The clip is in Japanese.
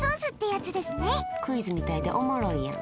クイズみたいでおもろいやん。